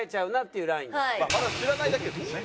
まだ知らないだけですよね？